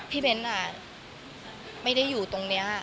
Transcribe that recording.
เบ้นไม่ได้อยู่ตรงนี้